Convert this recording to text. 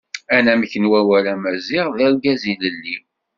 Anamek n wawal Amaziɣ d Argaz ilelli.